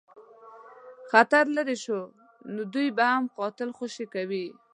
خطر لیري شو نو دوی به هم قلا خوشي کوي.